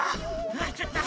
はあちょっと。